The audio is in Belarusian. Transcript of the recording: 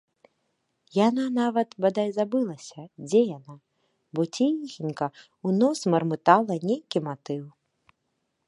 Яна нават, бадай, забылася, дзе яна, бо ціхенька ў нос мармытала нейкі матыў.